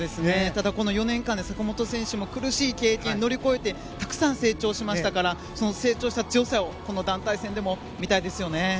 ただ、この４年間で坂本選手も苦しい経験を乗り越えてたくさん成長しましたからその成長した強さをこの団体戦でも見たいですよね。